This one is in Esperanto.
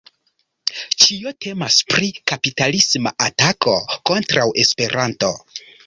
Ĉio temas pri kapitalisma atako kontraŭ Esperanto.